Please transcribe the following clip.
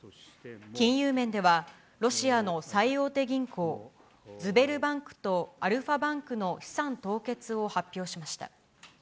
金融面では、ロシアの最大手銀行、ズベルバンクとアルファバンクの資産凍結を発表しました。